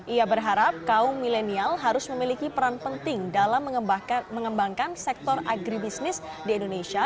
ia berharap kaum milenial harus memiliki peran penting dalam mengembangkan sektor agribisnis di indonesia